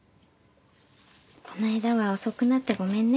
この間は遅くなってごめんね。